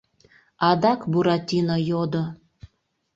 — адак Буратино йодо.